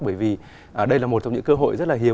bởi vì đây là một trong những cơ hội rất là hiếm